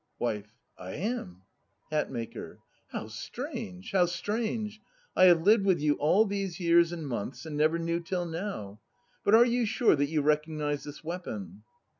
WIFE. I am. HATMAKER. How strange, how strange! I have lived with you all these years and months, and never knew till now. But are you sure that you recognize this weapon?